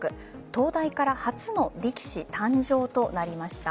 東大から初の力士誕生となりました。